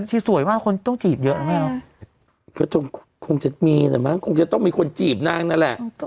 ที่สวยมากคนต้องจีบเยอะนะแม่ของจะต้องมีคนจีบนางน่ะแหละ